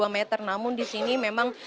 dua meter namun disini memang